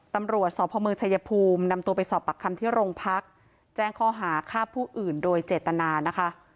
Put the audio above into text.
ตำรวจสพเมืองชายภูมินำตัวไปสอบปากคำที่โรงพักแจ้งข้อหาฆ่าผู้อื่นโดยเจตนานะคะ